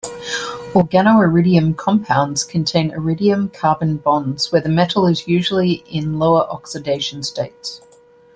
Organoiridium compounds contain iridium-carbon bonds where the metal is usually in lower oxidation states.